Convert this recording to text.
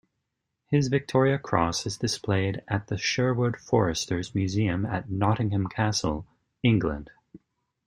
His Victoria Cross is displayed at the Sherwood Foresters Museum at Nottingham Castle, England.